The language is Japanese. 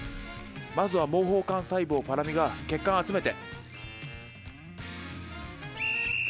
まずは毛包幹細胞ぱらみが血管集めて。